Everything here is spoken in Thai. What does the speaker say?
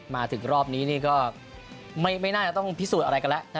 มาถึงรอบนี้นี่ก็ไม่น่าจะต้องพิสูจน์อะไรกันแล้ว